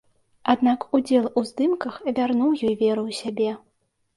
Аднак удзел у здымках вярнуў ёй веру ў сябе.